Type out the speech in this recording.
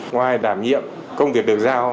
ngoài đảm nhiệm công việc được giao